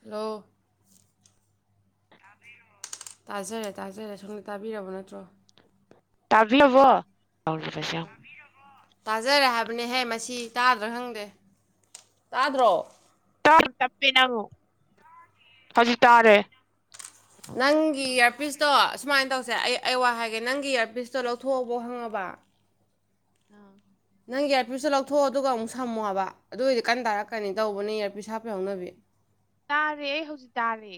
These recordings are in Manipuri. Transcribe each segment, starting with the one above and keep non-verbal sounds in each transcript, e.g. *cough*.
ꯍꯂꯣ ꯇꯥꯖꯔꯦ ꯇꯥꯖꯔꯦ ꯁꯣꯝꯅ ꯇꯥꯕꯤꯔꯕꯣ ꯅꯠꯇ꯭ꯔꯣ ꯇꯥꯛꯂꯕꯣꯁ ꯇꯥꯖꯔꯦ ꯍꯥꯏꯕꯅꯦꯍꯦ ꯃꯁꯤ ꯇꯥꯗ꯭ꯔꯥ ꯈꯪꯗꯦ ꯇꯥꯗ꯭ꯔꯣ ꯇꯞ ꯇꯞꯄꯤ ꯅꯪꯨ ꯍꯧꯖꯤꯛ ꯇꯥꯔꯦ ꯅꯪꯒꯤ ꯏꯌꯥꯔꯄꯤꯁꯇꯣ ꯁꯨꯃꯥꯏꯅ ꯇꯧꯁꯦ ꯑꯩ ꯑꯩ ꯋꯥ ꯍꯥꯏꯒꯦ ꯅꯪꯒꯤ ꯏꯌꯥꯔꯄꯤꯁꯇꯣ ꯂꯧꯊꯣꯛꯑꯕ ꯈꯪꯉꯕ ꯀ ꯑꯥ ꯅꯪꯒꯤ ꯏꯌꯥꯔꯄꯤꯤꯁꯇꯣ ꯂꯧꯊꯣꯛꯑꯣ ꯑꯗꯨꯒ ꯑꯃꯨꯛ ꯁꯝꯃꯣ ꯍꯥꯏꯕ ꯑꯗꯨꯑꯣꯏꯗꯤ ꯀꯟꯅ ꯇꯥꯔꯛꯀꯅꯤ ꯇꯧꯕꯅꯦ ꯏꯌꯥꯔ ꯄꯁ ꯍꯥꯞꯄ ꯌꯥꯎꯅꯕꯤ ꯇꯥꯔꯦ ꯍꯧꯖꯤꯇꯥꯥꯔꯦ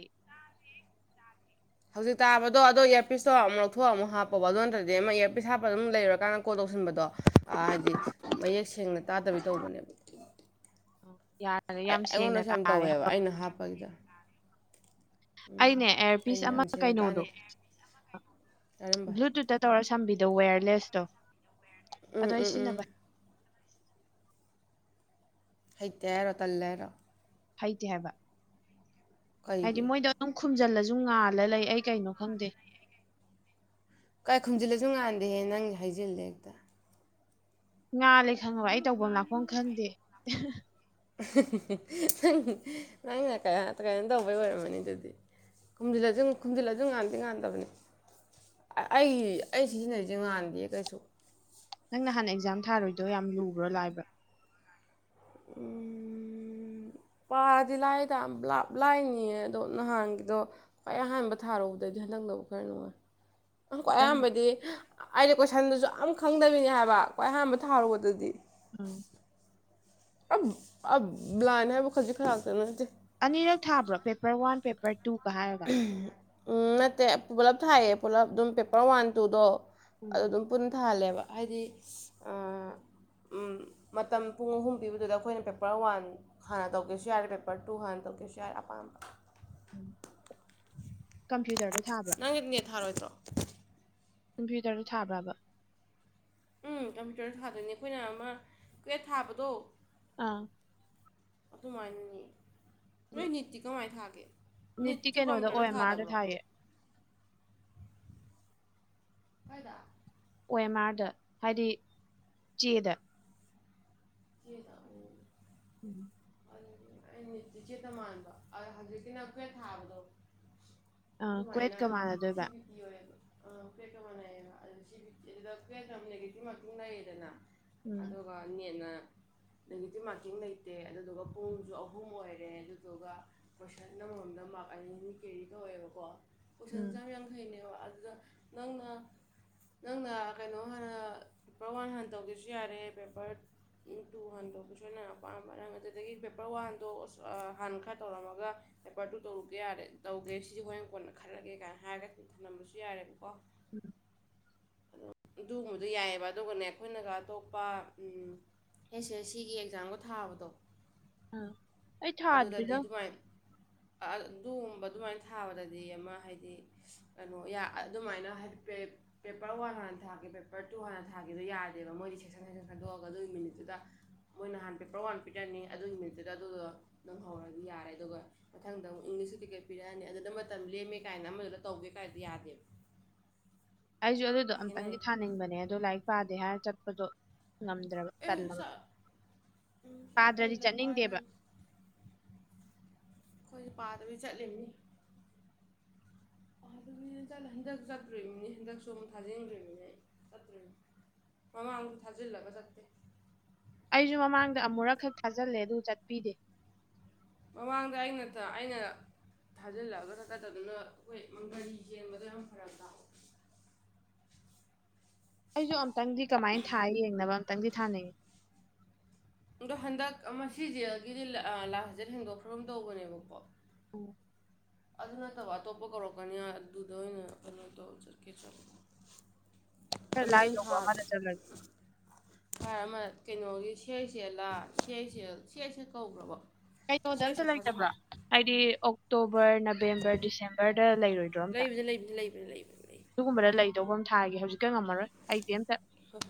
ꯍꯧꯖꯤꯛ ꯇꯥꯕꯗꯣ ꯑꯗꯣ ꯏꯔ ꯄꯁꯇꯣ ꯑꯃꯨꯛ ꯂꯧꯣꯛꯑ ꯑꯃꯨꯛ ꯍꯥꯞꯄꯣꯕ ꯑꯗꯨ ꯅꯠꯇ꯭ꯔꯗꯤ ꯑꯃ ꯏꯌꯥꯔꯄꯤꯁ ꯍꯥꯞꯄ ꯑꯗꯨꯝ ꯂꯩꯔꯀꯥꯟꯗ ꯀꯣ ꯇꯍꯟꯕꯗꯣ ꯍꯥꯏꯗꯤ ꯃꯌꯦꯛ ꯁꯦꯡꯅ ꯇꯥꯗꯕꯤꯩ ꯇꯧꯕꯅꯦꯕ ꯌꯥꯔꯦ ꯑꯩ ꯌꯥꯝ ꯁꯦꯡꯅ ꯑꯩꯉꯣꯟꯗꯁꯨ ꯌꯥꯝ ꯇꯥꯔꯦ ꯇꯧꯋꯦꯕ ꯑꯩꯅ ꯍꯥꯞꯄꯒꯤꯗ ꯎꯝ ꯑꯩꯅꯦ ꯑꯦꯌꯥꯔꯄꯤꯤꯁ ꯑꯩꯅ ꯑꯃ ꯌꯥꯝ ꯁꯦꯡꯅ ꯇꯥꯅ ꯀꯩꯅꯣꯗꯣ ꯀꯔꯝꯕ ꯕ꯭ꯂꯨꯇꯨꯠꯇ ꯇꯧꯔ ꯁꯝꯕꯤꯗꯣ ꯋꯦꯌꯔꯂꯦꯁꯇꯣ ꯑꯗꯣ ꯎꯝ ꯑꯩ ꯎꯝ ꯎꯝ ꯁꯤꯖꯤꯟꯅꯕ ꯍꯇꯔꯣ ꯇꯜꯂꯦꯔꯣ ꯍꯩꯇꯦ ꯍꯥꯏꯕ ꯍꯥꯏꯗꯤ ꯀꯩꯒꯤ ꯃꯣꯏꯗꯣ ꯑꯗꯨꯝ ꯈꯨꯝꯖꯤꯜꯂꯁꯨ ꯉꯥꯜꯂ ꯂꯩ ꯑꯩ ꯀꯩꯅꯣ ꯈꯪꯗꯦ ꯀꯥꯏ ꯈꯨꯝꯖꯤꯜꯂꯁꯨ ꯉꯥꯟꯗꯦꯍꯦ ꯅꯪ ꯍꯥꯏꯖꯤꯜꯂꯦ ꯍꯦꯛꯇ ꯉꯥꯂꯦ ꯈꯪꯉꯕ ꯑꯩ ꯇꯧꯕꯐꯝ ꯂꯥꯛꯐꯝ ꯈꯪꯗꯦ ꯪ ꯅꯪꯅ ꯀꯩꯅꯝ ꯇꯧꯕꯩ ꯑꯣꯏꯔꯝꯃꯅꯤ ꯑꯗꯨꯗꯤ ꯈꯨꯝꯖꯤꯜꯂꯁꯨ ꯈꯨꯝꯖꯤꯜꯂꯁꯨ ꯉꯥꯟꯗꯤ ꯉꯥꯟꯗꯕꯅꯤ ꯑꯩꯒꯤ ꯑꯩ ꯁꯤꯖꯤꯟꯅꯔꯤꯁꯦ ꯉꯥꯟꯗꯦ ꯀꯩꯁꯨ ꯅꯪ ꯅꯍꯥꯟꯅ ꯑꯦꯛꯖꯥꯝ ꯊꯥꯔꯣꯏꯗꯣ ꯌꯥꯝ ꯂꯨꯕ꯭ꯔꯣ ꯂꯥꯏꯕ꯭ꯔꯥ ꯎꯝ ꯄꯥꯔꯗꯤ ꯂꯥꯏꯗ ꯕ꯭ꯂꯥꯞ ꯂꯥꯏꯅꯤꯌꯦ ꯑꯗꯣ ꯅꯍꯥꯟꯒꯤꯗꯣ ꯈ꯭ꯋꯥꯏ ꯑꯍꯥꯟꯕ ꯊꯥꯔꯨꯗꯗꯤ ꯈꯜꯂꯪꯗꯅꯕ ꯈꯔ ꯅꯨꯡꯉꯥꯏ ꯈ꯭ꯋꯥꯏ ꯎꯝ ꯑꯌꯥꯝꯕꯗꯤ ꯑꯩꯅ ꯀꯣꯏꯁꯟꯗꯨꯁꯨ ꯑ ꯈꯪꯗꯕꯤꯅꯤ ꯍꯥꯏꯕ ꯈ꯭ꯋꯥꯏ ꯑꯌꯥꯝꯕ ꯊꯥꯔꯨꯕꯗꯨꯗꯤ ꯎꯝ ꯑ ꯭ꯂꯥꯏꯅ ꯍꯥꯏ ꯣꯈꯔꯖꯤ ꯐꯔꯗꯅꯠꯇꯦ ꯑꯅꯤꯔꯛ ꯊꯥꯕ꯭ꯔꯣ ꯄꯦꯄꯔ ꯋꯥꯟ ꯄꯦꯄꯔ ꯇꯨꯒ ꯍꯥꯏꯔꯒ ꯎꯝ ꯅꯠꯇꯦ ꯄꯨꯂꯞ ꯊꯥꯏꯌꯦ ꯄꯨꯂꯞ ꯑꯗꯨꯝ ꯄꯦꯄꯔ ꯋꯥꯟ ꯇꯨꯗꯣ ꯎꯝ ꯑꯗꯨ ꯑꯗꯨꯝ ꯄꯨꯟ ꯊꯥꯜꯂꯦꯕ ꯍꯥꯏꯗꯤ ꯎꯝ ꯃꯇꯝ ꯄꯨꯡ ꯑꯍꯨꯝ ꯄꯤꯕꯗꯨꯗ ꯑꯩꯈꯣꯏꯅ ꯄꯦꯄꯔ ꯋꯥꯟ ꯍꯥꯟꯅ ꯇꯧꯒꯦꯁꯨ ꯌꯥꯔꯦ ꯄꯦꯄꯔ ꯇꯨ ꯍꯥꯟꯅ ꯇꯧ ꯒꯤꯆꯔ ꯑꯄꯥꯝ ꯀꯝ ꯆ ꯇꯗ ꯅꯪꯒꯤꯗꯤꯅꯦꯠ ꯊꯥꯔꯣꯏꯗ꯭ꯔꯣ ꯀꯝꯄ꯭ꯌꯨꯇꯔꯗꯨ ꯊꯥꯕ꯭ꯔꯕ ꯎꯝ ꯀꯝꯄ꯭ꯌꯨꯇꯔꯗ ꯊꯥꯗꯣꯏꯅꯤ ꯑꯩꯈꯣꯏꯅ ꯑꯃ ꯀꯨꯦ ꯊꯥꯕꯗꯣ ꯑꯥ ꯇꯃꯥꯏꯅꯤ ꯅꯠꯇꯤ ꯀꯃꯥꯏ ꯊꯥꯛꯦ ꯅꯤꯇꯤ ꯀꯩꯅꯣꯗ ꯑꯣ ꯑꯦꯝ ꯑꯥꯔꯗ ꯊꯥꯏꯌꯦ ꯍꯗ ꯑꯣ ꯑꯦꯝ ꯑꯥꯔꯗ ꯍꯥꯏꯗꯤ ꯆꯦꯗ ꯀꯗ ꯎꯝ ꯑꯩꯇꯤ ꯆꯦꯠꯇ ꯃꯥꯟꯕ ꯑ ꯍꯧꯖꯤꯛꯇꯤꯅ ꯑꯩꯈꯣꯏ ꯊꯥꯕꯗꯣ ꯑ ꯑꯗꯨꯃꯥꯏꯅ ꯀꯋꯦꯠꯀ ꯁꯤ ꯃꯥꯟꯅꯗꯣꯏꯕ ꯕꯤ ꯇꯤ ꯑꯣꯏꯌꯦꯕ ꯑ ꯀꯦ ꯀꯦꯇꯇꯌꯦꯗꯅ *unintelligible* ꯎꯝ ꯑꯗꯨꯒ ꯅꯦꯅ ꯅꯦꯒꯦꯇꯤꯞ ꯃꯥꯔꯀꯤꯡ ꯂꯩꯇꯦ ꯑꯗꯨꯗꯨꯒ ꯄꯨꯡꯁꯨ ꯑꯍꯨꯝ ꯑꯣꯏꯔ ꯑꯣꯏꯔꯦ ꯑꯗꯨꯗꯨꯒ ꯀꯣꯏꯁꯟ ꯑꯃꯃꯝꯗ ꯃꯥꯔꯛ ꯑꯅꯤ ꯑꯅꯤ ꯀꯦꯔꯤ ꯇꯧꯋꯦꯕꯀꯣ ꯎꯝ ꯀꯣꯏꯁꯟꯁꯦ ꯌꯥꯝ ꯌꯥꯝ ꯊꯩꯅꯦꯕ ꯑꯗꯨꯗ ꯅꯪꯅ ꯅꯪꯅ ꯀꯩꯅꯣ ꯍꯥꯟꯅ ꯄꯦꯄꯔ ꯋꯥꯟ ꯍꯥꯟꯅ ꯇꯧꯗꯁꯨ ꯌꯥꯔꯦ ꯄꯦꯄꯔ ꯇꯨ ꯟꯗꯣꯁꯣꯏꯅ ꯑꯗꯨꯗꯒꯤ ꯄꯦꯄꯔ ꯋꯥꯟꯗꯣ ꯑ ꯍꯥꯟꯅ ꯈꯔ ꯇꯧꯔꯝꯃꯒ ꯄꯦꯄꯔ ꯇꯨꯗꯣ ꯇꯧꯔꯨꯒꯦ ꯌꯥꯔꯦ ꯇꯧꯒꯦ ꯁꯤꯁꯦ ꯍꯣꯔꯣꯏꯅ ꯀꯣꯟꯅ ꯈꯜꯂꯒꯦ ꯀꯥꯏꯅ ꯍꯥꯏꯔꯒ ꯈꯜꯂꯝꯕꯁꯨ ꯌꯥꯔꯦꯕꯀꯣ ꯎꯝ ꯑꯗꯨꯒꯨꯝꯕꯗꯨ ꯌꯥꯏꯑꯕ ꯑꯗꯨꯒꯅꯦ ꯑꯩꯈꯣꯏꯅꯒ ꯑꯇꯣꯞꯄ ꯎꯝ ꯑꯦꯁ ꯑꯦꯁ ꯁꯤꯒꯤ ꯑꯦꯛꯖꯥꯝꯒ ꯊꯥꯕꯗꯣ ꯑ ꯑꯗꯨꯗꯗꯤ ꯑꯗꯨꯃꯥꯏꯅ ꯑꯗꯨꯒꯨꯝꯕ ꯑꯗꯨꯃꯥꯏꯅ ꯊꯥꯕꯗꯗꯤ ꯑꯃ ꯍꯥꯏꯗꯤ ꯀꯩꯅꯣ ꯑꯗꯨꯃꯥꯏꯅꯗꯤ ꯄꯦꯄꯔ ꯋꯥꯟ ꯍꯥꯟꯅ ꯊꯥꯒꯦ ꯄꯦꯄꯔ ꯇꯨ ꯍꯥꯟꯅ ꯊꯥꯒꯦꯗꯣ ꯌꯥꯗꯦꯕ ꯃꯣꯏꯗꯤ ꯁꯦꯛꯁꯟ ꯁꯁꯟ ꯈꯟꯗꯣꯛꯑꯒ ꯑꯗꯨꯒꯤ ꯃꯤꯅꯤꯠꯇꯨꯗ ꯃꯣꯏꯅ ꯍꯥꯟ ꯄꯦꯄꯔ ꯋꯥꯟ ꯄꯤꯇꯔꯅꯤ ꯑꯗꯨꯒꯤ ꯅꯨꯃꯤꯠꯇꯨꯗ ꯑꯗꯨꯗꯣ ꯅꯪ ꯍꯧꯔꯒ ꯌꯥꯔꯦ ꯑꯗꯨꯒ ꯃꯊꯪꯗ ꯑꯃꯨꯛ ꯏꯪꯂꯤꯁꯁꯨ ꯇꯤꯛꯀꯦꯠ ꯄꯤꯔꯛꯑꯅꯤ ꯑꯗꯨꯅ ꯃꯇꯝ ꯂꯦꯝꯃꯦ ꯀꯥꯏꯅ ꯑꯃꯗꯨꯗ ꯇꯧꯕꯤ ꯀꯌꯥꯗ ꯑꯩꯁꯨ ꯑꯗꯨꯗꯣ ꯑꯝꯛꯇꯪꯗꯤ ꯊꯥꯅꯤꯡꯕꯅꯦ ꯑꯗꯣ ꯂꯥꯏꯔꯤꯛ ꯄꯥꯗꯦ ꯍꯥꯏꯔ ꯆꯠꯄꯗꯣ ꯃꯗ꯭ꯔꯕ ꯑꯦ ꯀꯂꯕ ꯑꯩꯈꯣꯏ ꯄꯥꯗ꯭ꯔꯗꯤ ꯂꯩꯀꯥꯏꯗ ꯆꯠꯅꯤꯡꯗꯦꯕ ꯑꯩꯈꯣꯏꯁꯨ ꯄꯥꯗꯕꯤ ꯆꯠꯂꯤꯅꯤ ꯆꯠꯂ ꯍꯟꯗꯛ ꯆꯠꯇꯣꯃꯤꯅꯤ ꯍꯟꯗꯛ ꯁꯝ ꯊꯥꯖꯤꯟꯈ꯭ꯔꯤꯕꯃꯤꯅꯦ ꯆꯠꯇꯣꯔꯤꯕꯅꯤ ꯃꯃꯥꯡꯨ ꯊꯥꯖꯤꯜꯂꯒ ꯆꯦ ꯑꯩꯁꯨ ꯃꯃꯥꯡꯗ ꯑꯃꯨꯔꯛꯈꯛ ꯊꯥꯖꯤꯜꯂꯦ ꯑꯗꯨ ꯆꯠꯄꯤꯗꯦ ꯃꯃꯥꯡꯗ ꯑꯩꯅ ꯑꯩꯅ ꯊꯥꯖꯤꯜꯂꯛꯑꯒ ꯈꯀꯗꯗꯨꯅ ꯑꯩꯈꯣꯏꯒꯥꯔꯤ ꯌꯦꯟꯕꯗꯣ ꯌꯥꯝ ꯐꯔꯛ ꯇꯥ ꯑꯩꯁꯨ ꯑꯝꯛꯇꯪꯗꯤ ꯀꯃꯥꯏꯅ ꯊꯥꯏ ꯌꯦꯡꯅꯕ ꯑꯝꯇꯪꯗꯤ ꯊꯥꯅꯤꯡꯏꯤ ꯑꯗꯣ ꯍꯟꯗꯛ ꯑꯃ ꯖꯦꯜꯒꯤꯗꯤ ꯂꯥꯁꯖꯠ ꯍꯦꯡꯗꯣꯛꯈ꯭ꯔ ꯑꯃ ꯇꯧꯕꯅꯦꯕꯀꯣ ꯎꯝ ꯑꯗꯨ ꯅꯠꯇꯕ ꯑꯇꯣꯞꯄ ꯀꯧꯔꯛꯀꯅꯤ ꯑꯗꯨꯗ ꯑꯣꯏꯅ ꯀꯩꯅꯣ ꯇꯧ ꯆꯠꯀꯦ ꯈꯔ ꯑꯗꯨꯗ ꯑꯣꯏꯅ ꯂꯥꯏꯗꯧꯕ ꯊꯥꯔꯦ ꯑꯃꯗ ꯆꯠꯂꯒꯦ ꯊꯥꯔ ꯑꯃ ꯀꯩꯅꯣꯒꯤ ꯁꯦ ꯁꯦꯜꯂꯥ ꯁꯁꯦꯜ ꯁꯦꯠꯁꯦ ꯀꯧꯕ꯭ꯔꯕ ꯀꯩꯅꯣꯗ ꯑꯝꯇ ꯂꯩꯇꯕ꯭ꯔꯥ ꯍꯥꯏꯗꯤ ꯑꯣꯛꯇꯣꯕꯔ ꯅꯕꯦꯝꯕꯔ ꯂꯩꯕꯅꯤ ꯂꯩꯕꯅꯤ ꯂꯩꯕꯅꯤ ꯂꯩꯕꯅꯤ ꯂꯩꯕꯅꯤ ꯗꯤꯁꯦꯝꯕꯔꯗ *unintelligible* ꯑꯗꯤꯟ ꯇ ꯍꯣꯏ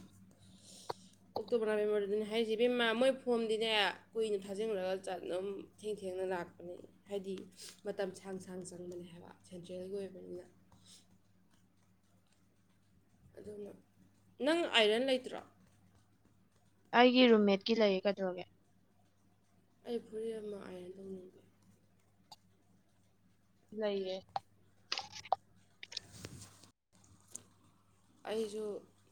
ꯍꯥꯏꯁꯤꯦꯕꯦꯝꯃꯥ ꯃꯣꯏ ꯐꯣꯝꯗꯤꯅꯦ ꯀꯨꯏꯅ ꯊꯥꯖꯤꯜꯈꯂꯒ ꯆꯠꯅꯕ ꯊꯦꯡ ꯊꯦꯡꯅ ꯂꯥꯛꯄꯅꯦ ꯍꯥꯏꯕꯗꯤ ꯃꯇꯝ ꯁꯥꯡ ꯁꯥꯡ ꯆꯪꯕꯅꯦ ꯍꯥꯏꯕ ꯁꯦꯟꯇ꯭ꯔꯦꯜꯒꯤ ꯑꯣꯏꯕꯅꯤꯅ ꯑꯗꯨꯅ ꯅꯪ ꯑꯥꯏꯔꯟ ꯂꯩꯇ꯭ꯔꯣ ꯑꯩꯒꯤ ꯔꯨꯝꯃꯦꯠꯀꯤ ꯂꯩꯌꯦ ꯀꯗꯧꯒꯦ ꯑꯩ ꯐꯨꯔꯤ ꯑꯃ ꯑꯥꯏꯅ ꯂꯧꯅꯤꯡꯕꯦ ꯂꯩꯏꯌꯦ ꯑꯩꯁꯨ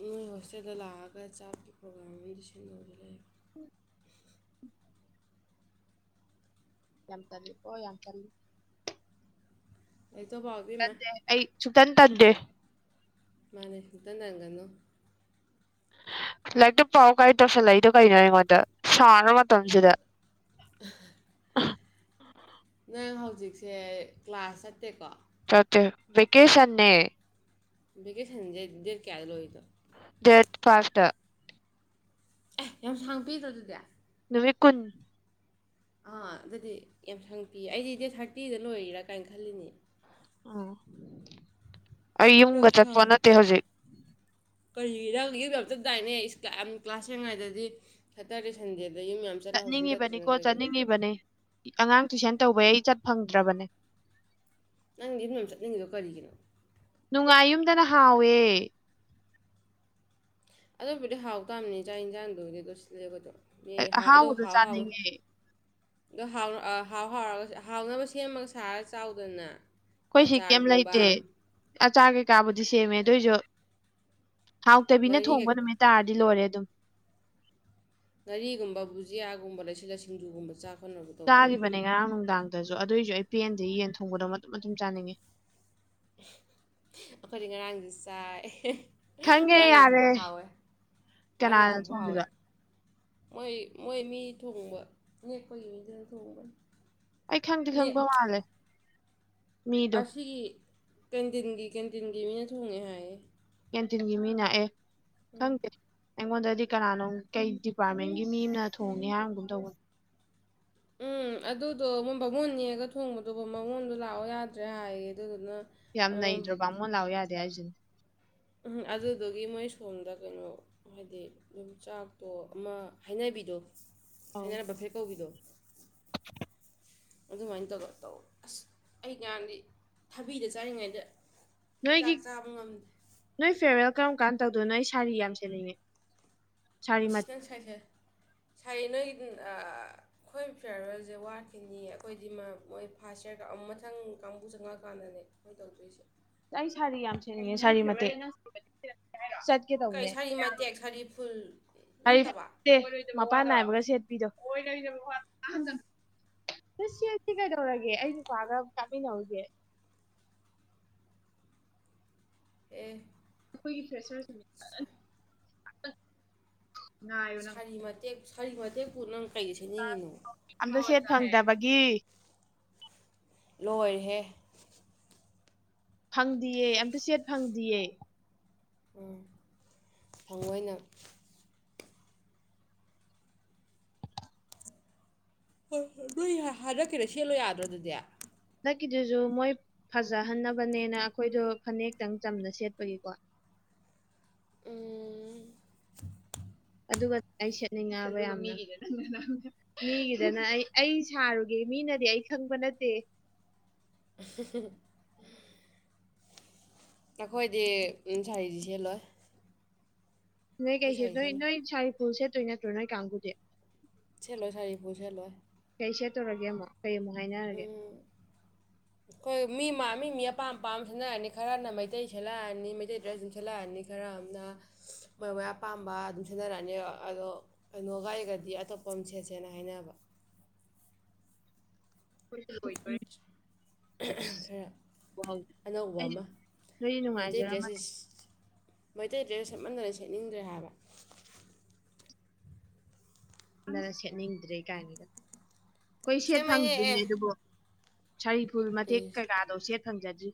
ꯅꯣꯏ ꯍꯣꯁꯇꯦꯜꯗ ꯂꯥꯛꯑꯒ ꯆꯥꯀꯤ ꯄ꯭ꯔꯣꯒꯥ꯭ꯔꯥꯝꯒꯤ ꯂꯤꯟ ꯂꯩ ꯍ ꯌꯥꯝ ꯇꯜꯂꯤ ꯑꯣ ꯌꯥꯝ ꯇꯜꯂꯤ ꯑꯩꯗꯣ ꯐꯥꯎꯒꯃ ꯁꯨꯗꯟ ꯇ ꯗꯦ ꯃꯅꯦꯁꯇꯅꯉꯅꯣ ꯂꯥꯏꯔꯤꯛꯇ ꯄꯥꯎ ꯀꯥꯏ ꯇꯧꯁꯜꯂꯛꯏꯗꯣ ꯀꯩꯅꯣ ꯑꯩꯉꯣꯟꯗ ꯑꯔꯕꯇꯖꯗ ꯅꯪ ꯍꯧꯖꯤꯛꯁꯦ ꯀ꯭ꯂꯥꯁ ꯆꯠꯇꯦꯀꯣ ꯆꯊꯦ ꯦꯀꯦꯁꯟꯅꯦ ꯀꯦꯁ ꯗꯦꯔ ꯀꯌꯥꯗꯣ ꯑꯩꯗꯣ ꯗꯦꯠ ꯐꯥꯥꯁ ꯑꯦ ꯌꯥꯝ ꯁꯥꯡ ꯄꯗ꯭ꯔꯣ ꯑꯗꯨꯗꯤ ꯅꯨ ꯀꯨꯟ ꯑꯥ ꯑꯗꯨꯗꯤ ꯌꯥꯝ ꯁꯪ ꯄꯤ ꯑꯩꯗꯤ ꯗꯦꯠ ꯊꯥꯔꯇꯤꯗ ꯂꯣꯏꯔꯥ ꯀꯥꯏꯅ ꯈꯜꯂꯤꯅꯤ ꯎꯝ ꯑꯩ ꯌꯨꯝꯒ ꯆꯠꯄ ꯅꯠꯇꯦ ꯍꯧꯖꯤꯛ ꯀꯔꯤꯔ ꯌꯨꯝꯗꯝꯇ ꯗꯥꯏꯅꯦ ꯌꯥꯝ ꯀ꯭ꯂꯥꯁ ꯌꯦꯡꯉꯩꯗꯗꯤ ꯁꯇꯔꯗꯦ ꯁꯟꯗꯦꯗ ꯌꯨꯝ ꯌꯥꯝ ꯆꯠꯂ ꯍꯧꯖꯤꯛ ꯆꯠꯇ꯭ꯔꯤꯅ ꯆꯠꯅꯤꯡꯉꯤꯕꯅꯤꯀꯣ ꯀꯩꯒꯤ ꯆꯠꯅꯤꯡꯉꯤꯕꯅꯦ ꯑꯉꯥꯡ ꯇꯨꯏꯁꯟ ꯇꯧꯕꯩ ꯑꯩ ꯆꯠ ꯐꯪꯗ꯭ꯔꯕꯅꯦ ꯅꯪꯗꯤ ꯃꯌꯥꯝ ꯆꯠꯅꯤꯡꯉꯤꯗꯣ ꯀꯔꯤꯒꯤꯅꯣ ꯅꯨꯡꯉꯥꯏ ꯌꯨꯝꯗꯅ ꯍꯥꯎꯋꯦ ꯑꯗꯨꯕꯨꯗꯤ ꯍꯥꯎ ꯇꯕꯅꯤ ꯆꯥꯛ ꯌꯦꯟꯖꯥꯡꯗꯨꯒꯤꯗꯤ ꯑꯗꯨ ꯁꯤꯜꯂꯦꯕ ꯑꯗꯨꯣ ꯍꯥꯎ ꯎꯗꯣ ꯆꯥꯅꯤꯡꯦ ꯑꯗꯣ ꯍꯥꯎ ꯍꯥꯎꯔꯒ ꯍꯥꯎꯅꯕ ꯁꯦꯝꯃꯒ ꯁꯥꯔꯒ ꯆꯥꯎꯗꯅ ꯑꯩꯈꯣꯏ ꯁꯤ ꯀꯩꯝ ꯑꯆꯥꯔꯒꯨꯝꯕ ꯂꯩꯇꯦ ꯑꯆꯥ ꯀꯩꯀꯥꯕꯨꯗꯤ ꯁꯦꯝꯃꯦ ꯑꯗꯨꯏꯁꯨ ꯍꯥꯎꯇꯕꯤꯅ ꯉꯥꯔꯤꯒ ꯊꯣꯡꯕ ꯅꯨꯃꯤꯠ ꯇꯥꯔꯗꯤ ꯂꯣꯏꯔꯦ ꯑꯗꯨꯝ ꯉꯥꯔꯤꯒꯨꯝꯕ ꯕꯨꯖꯤꯌꯥꯒꯨꯝꯕ ꯂꯩꯁꯤꯜꯂ ꯁꯤꯡꯖꯨꯒꯨꯝꯕ ꯆ ꯆꯥꯈꯤꯕꯅꯦ ꯉꯔꯥꯡ ꯅꯨꯡꯗꯥꯡꯗꯁꯨ ꯑꯗꯨꯑꯣꯏꯁꯨ ꯑꯩ ꯄꯦꯟꯗꯤꯦ ꯌꯦꯟ ꯊꯣꯡꯕꯗꯣ ꯃꯇꯨꯝ ꯃꯇꯨꯝ ꯆꯥꯅꯤꯡꯉꯤ ꯑꯩꯈꯣꯏꯗꯤ ꯉꯔꯥꯡꯗꯤ ꯆꯥꯏ ꯈꯪꯒꯦ ꯉꯔꯥꯡ ꯌꯦꯟ ꯌꯥꯔꯦ ꯊꯣꯡꯕ ꯍꯥꯎꯋꯦ ꯉꯔꯥꯡ ꯀꯅꯥ ꯌꯦꯟ ꯊꯣꯡꯕ ꯍꯥꯎꯋꯦ ꯁꯣꯕꯕ ꯃꯣꯏ ꯃꯣꯏ ꯃꯤ ꯊꯣꯡꯕ ꯅꯦꯛꯄꯒꯤ ꯃꯤꯗꯨꯅ ꯊꯣꯡꯕꯅꯤ ꯑꯩ ꯈꯪꯗꯦ ꯅꯦ ꯈꯪꯕ ꯃꯥꯜꯂꯦ ꯃꯤꯗꯣ ꯑꯁꯤꯒꯤ ꯀꯦꯟꯇꯤꯟꯒꯤ ꯀꯦꯟꯇꯤꯟꯒꯤ ꯃꯤꯅ ꯊꯣꯡꯉꯦ ꯍꯥꯏꯌꯦꯦ ꯀꯦꯟꯇꯤꯟꯒꯤ ꯃꯤ ꯅꯥꯛꯑꯦ ꯈꯪꯗꯦ ꯑꯩꯉꯣꯟꯗꯗꯤ ꯀꯅꯥꯅꯣ ꯀꯩ ꯗꯤꯄꯥꯔꯠꯃꯦꯟꯒꯤ ꯃꯤ ꯑꯃꯅ ꯊꯣꯡꯅꯤ ꯍꯥꯏꯔꯒꯨꯝ ꯇꯧꯕꯅꯣ ꯎꯝ ꯑꯗꯨꯗꯣ ꯃꯣꯏ ꯕꯥꯃꯣꯟ ꯅꯦꯛꯑꯒ ꯊꯣꯡꯕꯗꯨꯕ ꯃꯃꯣꯟꯗꯣ ꯂꯥꯛꯑꯣ ꯌꯥꯗ꯭ꯔꯦ ꯍꯥꯏꯌꯦ ꯑꯗꯨꯗꯨꯅ ꯌꯥꯝ ꯎꯝ ꯅꯩꯗ꯭ꯔꯣ ꯕꯥꯃꯣꯟ ꯂꯥꯛꯑꯣ ꯌꯥꯗꯦ ꯍꯥꯏꯁꯤꯅꯦ ꯎꯝ ꯑꯗꯨꯗꯨꯒꯤ ꯃꯣꯏ ꯁꯣꯝꯗ ꯀꯩꯅꯣ ꯍꯥꯏꯗꯤ ꯌꯨꯝꯆꯥꯛꯇꯣ ꯑꯃ ꯍꯥꯏꯅꯕꯤꯗꯣ ꯑꯧ ꯍꯥꯏꯅꯅ ꯐꯦ ꯀꯥꯎꯒꯤꯗꯣ ꯑꯗꯨꯃꯥꯏꯅ ꯇꯧꯔ ꯇꯧ ꯑꯁ ꯑꯩ ꯉꯥꯡꯗꯤ ꯊꯕꯤꯗ ꯆꯥꯔꯤꯉꯩꯗ ꯅꯣꯏꯒꯤ ꯆꯥꯛ ꯆꯥꯕ ꯉꯝꯗꯦ ꯅꯣꯏ ꯐꯦꯕ ꯀꯔꯝ ꯀꯥꯟ ꯇꯧꯗꯣꯏꯅꯣ ꯑꯩ ꯁꯥꯔꯤ ꯌꯥꯝ ꯁꯦꯅꯤꯡꯉꯦ ꯏꯁꯤꯅꯪ ꯁꯥꯏꯁꯦ ꯁꯥꯏꯅ ꯑꯩꯈꯣꯏ ꯐꯤꯌꯥꯔꯦꯜꯁꯦ ꯋꯥꯠꯈꯤꯅꯤ ꯑꯩꯈꯣꯏꯗꯤ ꯃꯣꯏ ꯐꯥꯔ ꯏꯌꯥꯔ ꯑꯃ ꯃꯊꯪ ꯀꯥꯡꯕꯨ ꯆꯪꯉꯛꯑꯀꯥꯟꯗꯅꯦ ꯍꯣꯏ ꯇꯧꯗꯣꯏꯁꯦ ꯑꯩ ꯁꯥꯔꯤ ꯌꯥꯝ ꯁꯦꯅꯤꯡꯉꯦ ꯁꯥꯔꯤ ꯃꯇꯦꯛ ꯆꯠꯀꯦ ꯀꯩ ꯁꯥꯔꯤ ꯃꯇꯦꯛ ꯁꯥꯔꯤ ꯐꯨꯜ ꯇꯧꯅꯦꯔꯤ ꯅꯠꯇꯕ ꯃꯄꯥꯟ ꯅꯥꯏꯕꯒ ꯁꯦ ꯗ ꯍꯣꯏꯅꯗꯕꯍ ꯍꯪꯗ ꯁꯤꯁꯤ ꯀꯩꯗꯧꯔꯒꯦ ꯑꯩ ꯄꯥꯒꯔ ꯇꯥꯃꯤꯟꯅꯔꯒꯦ *inaudible* ꯑꯦ ꯑꯩꯈꯣꯏꯒꯤ ꯐ꯭ꯔꯦꯁꯔꯁꯨꯅꯦ ꯁꯥꯔꯤ ꯃꯇꯦꯛ ꯁꯥꯔꯤ ꯃꯇꯦꯛꯄꯨ ꯅꯪ ꯀꯩꯗ ꯁꯦꯝꯅꯤꯡꯉꯤꯅꯣ ꯑꯝꯇ ꯁꯦꯠ ꯐꯪꯗꯕꯒꯤ ꯂꯣꯏꯔꯦ ꯐꯪꯗꯤꯌꯦ ꯑꯝꯇ ꯁꯦꯠ ꯐꯪꯗꯌꯦ ꯎꯝ ꯊꯑꯣꯏꯅ ꯍꯣꯏ ꯍꯣꯏ ꯂꯣꯏ ꯍꯥꯏꯔꯛꯀꯦꯔ ꯁꯦꯠꯂꯣ ꯌꯥꯗ꯭ꯔꯣ ꯑꯗꯨꯗꯤ ꯍꯟꯗꯛꯀꯤꯗꯨꯁꯨ ꯃꯣꯏ ꯐꯖꯍꯟꯅꯕꯅꯦꯅ ꯑꯩꯈꯣꯏꯗꯣ ꯐꯅꯛꯇꯪ ꯆꯝꯅ ꯁꯦꯠꯄꯒꯤꯀꯣ ꯎꯝ ꯑꯗꯨꯒ ꯑꯩ ꯁꯦꯠꯅꯤꯡꯉꯕ ꯌꯥꯝ ꯃꯤꯒꯤ ꯃꯤꯒꯤꯗꯅ ꯑꯩ ꯑꯩ ꯁꯥꯔꯨꯒꯦ ꯃꯤꯅꯗꯤ ꯑꯩ ꯈꯪꯕ ꯅꯠꯇꯦ *inaudible* ꯅꯈꯣꯏꯗꯤ ꯁꯥꯔꯤꯁꯤ ꯁꯦꯜꯂꯣꯏ ꯅꯣꯏ ꯀꯩꯁꯦ ꯅꯣꯏ ꯅꯣꯏ ꯁꯥꯔꯤ ꯐꯨꯜ ꯁꯦꯠꯇꯣꯏ ꯅꯠꯇ꯭ꯔꯣ ꯅꯣꯏ ꯀꯥꯡꯕꯨꯗꯤ ꯁꯦꯜꯂꯣꯏ ꯁꯔꯤꯕꯨꯨ ꯁꯦꯜꯂꯣꯏ ꯄꯦ ꯇꯧꯔꯒꯦ ꯑꯃꯨꯛ ꯀꯩ ꯑꯃꯨꯛ ꯍꯥꯏꯅꯔꯒꯦ ꯑꯩꯈꯣꯏ ꯃꯤ ꯃꯤ ꯃꯤ ꯑꯄꯥꯝ ꯑꯄꯥꯝ ꯁꯠꯅꯛꯑꯅꯤ ꯈꯔꯅ ꯃꯩꯇꯩ ꯁꯦꯠꯂꯛꯑꯅꯤ ꯃꯩꯇꯩ ꯗ꯭ꯔꯦꯁꯁꯤꯡ ꯁꯦꯠꯂꯛꯑꯅꯤ ꯈꯔ ꯑꯃꯅ ꯃꯣꯏ ꯃꯣꯏ ꯑꯄꯥꯝꯕ ꯊꯣꯛꯅꯔꯛ ꯑꯅꯤꯕ ꯑꯗꯣ ꯀꯩꯅꯣꯒ ꯑꯩꯒꯗꯤ ꯑꯇꯣꯞꯄ ꯑꯃ ꯁꯦꯠꯆꯦꯅ ꯀꯥꯏꯅꯕ ꯍꯣꯏ ꯑꯩꯈꯔ ꯑꯅꯧꯕ ꯑꯩ ꯑꯃ ꯅꯣꯏ ꯃꯩꯇꯩ ꯗ꯭ꯔꯦꯁ ꯅꯨꯡꯉꯥꯏꯖꯔꯝꯃꯅꯤꯗꯅ ꯃꯩꯇꯩ ꯗ꯭ꯔꯦ ꯁꯦꯠꯃꯟꯗꯅ ꯁꯦꯠꯅꯤꯡꯗ꯭ꯔꯦ ꯍꯥꯏꯕ ꯗꯅ ꯁꯦꯠꯅꯤꯡꯗ꯭ꯔꯦ ꯀꯥꯏꯅꯗ ꯑꯩꯈꯣꯏ ꯁꯦꯠ ꯁꯦꯝꯃꯩꯅꯦ ꯑꯦ ꯐꯪꯗ꯭ꯔꯤꯅꯦ ꯑꯗꯨꯕꯨ ꯁꯔꯤꯐꯨꯜ ꯃꯇꯦꯛ ꯏꯁ ꯀꯩꯀꯥꯗꯣ ꯁꯦꯠ ꯐꯪꯖꯗ꯭ꯔꯤ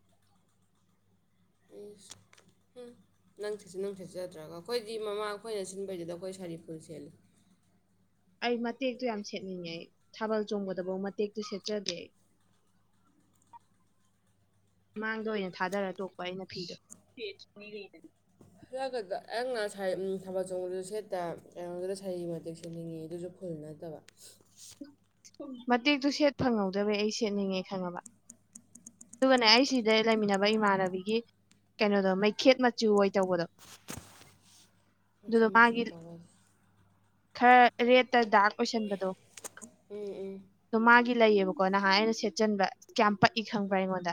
*inaudible* ꯅꯪ ꯁꯦꯠꯆ ꯅꯪ ꯁꯦꯠꯆꯗ꯭ꯔꯒ ꯑꯩꯈꯣꯏꯗꯤ ꯃꯃꯥ ꯑꯩꯈꯣꯏꯅ ꯁꯤꯟꯕꯩꯗꯨꯗ ꯑꯩꯈꯣꯏ ꯁꯥꯔꯤꯐꯨꯜ ꯁꯦꯜꯂꯤ ꯑꯩ ꯃꯇꯦꯛꯇꯨ ꯌꯥꯝ ꯁꯦꯠꯅꯤꯡꯉꯦ ꯊꯥꯕꯜ ꯆꯣꯡꯕꯗꯐꯧ ꯃꯇꯦꯛꯇꯨ ꯁꯦꯠꯆꯗꯦ ꯑꯩ *inaudible* ꯃꯥꯡꯗ ꯑꯣꯏꯅ ꯊꯥꯗꯔ ꯇꯣꯛꯄ ꯑꯩꯅ ꯐꯤꯗꯣ ꯍ ꯑꯩꯅ ꯊꯥꯕꯜ ꯆꯣꯡꯕꯗꯨꯁꯨ ꯁꯦꯠꯇꯦ ꯑꯩꯉꯣꯟꯗ ꯁꯥ ꯃꯇꯤꯦꯛ ꯁꯦꯠꯅꯤꯡꯉꯤ ꯑꯗꯨꯁꯨ ꯎꯅꯗꯕ ꯃꯇꯦꯛꯇꯨ ꯁꯦꯠ ꯐꯪꯍꯧꯗ꯭ꯔꯕ ꯑꯩ ꯁꯦꯠꯅꯤꯡꯉꯦ ꯈꯪꯉꯕ ꯑꯗꯨꯒꯅꯦ ꯑꯩ ꯁꯤꯗ ꯂꯩꯃꯤꯟꯅꯕ ꯏꯃꯥꯟꯅꯕꯤꯒꯤ ꯀꯩꯅꯣꯗꯣ ꯃꯩꯈꯦꯠ ꯃꯆꯨ ꯑꯣꯏ ꯇꯧꯕꯗꯣ *unintelligible* ꯃꯆꯤ ꯑꯗꯨꯗꯣ ꯃꯆꯨ ꯃꯥꯒꯤ ꯇꯧꯕ ꯈꯔ ꯔꯦꯠꯇ ꯗꯥꯛꯛ ꯑꯣꯏꯁꯟꯕꯗꯣ ꯎꯝ ꯎꯝ ꯑ ꯃꯥꯒꯤ ꯂꯩꯌꯦꯕꯀꯣ ꯅꯍꯥꯟ ꯑꯩꯅ ꯁꯦꯠꯆꯟꯕ ꯀꯌꯥꯝ ꯄꯛꯏ ꯈꯪꯕ꯭ꯔꯥ ꯑꯩꯉꯣꯟꯗ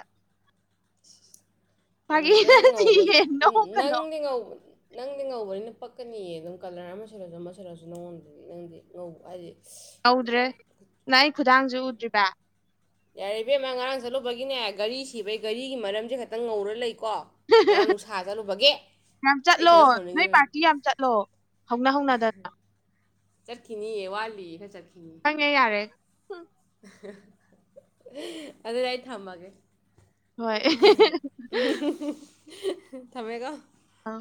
ꯐꯥꯒꯤ ꯅꯪ ꯉꯧꯕ ꯅꯠꯇꯤꯌꯦ ꯅꯣꯛꯀꯅꯣ ꯅꯪꯗꯤ ꯉꯧꯕ ꯅꯪꯗꯤ ꯉꯧꯕꯅꯤꯅ ꯄꯛꯀꯅꯤꯌꯦ ꯑꯗꯨꯝ ꯀꯂꯔ ꯑꯃꯨꯜꯂꯁꯨ ꯑꯃ ꯁꯜꯂꯁꯨ ꯅꯪꯉꯣꯟꯗꯒꯤ ꯅꯪꯗꯤ ꯉꯧꯕ ꯍꯥꯏꯗꯤ ꯍꯧꯧꯗ꯭ꯔꯦ ꯅꯪ ꯑꯩ ꯈꯨꯗꯥꯡꯁꯨ ꯎꯗ꯭ꯔꯤꯕ ꯌꯥꯔꯦ ꯕꯦꯝꯃ ꯉꯔꯥꯡ ꯆꯠꯂꯨꯕꯒꯤꯅꯦ ꯒꯥꯔꯤ ꯁꯤꯕꯩ ꯒꯥꯔꯤꯒꯤ ꯃꯔꯝꯁꯦ ꯈꯛꯇꯪ ꯉꯧꯔꯒ ꯂꯩ ꯀꯣ ꯉꯅꯥꯥꯡ ꯅꯨꯡꯁꯥꯖꯂꯨꯕꯒꯦ ꯌꯥꯝ ꯆꯠꯂꯣ ꯅꯣꯏ ꯄꯥꯔꯇꯤ ꯌꯥꯝ ꯆꯠꯂꯣ ꯍꯧꯅ ꯍꯧꯅꯗꯅ ꯆꯠꯈꯤꯅꯤꯌꯦ ꯋꯥꯂꯤ ꯐ ꯆꯠ ꯍꯪꯉꯦ ꯌꯥꯔꯦ ꯑꯗꯨꯗ ꯑꯩ ꯊꯝꯃꯒꯦ ꯍꯣꯏ ꯊꯃꯦꯒ ꯑ